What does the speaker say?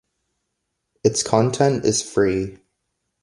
Its content is free.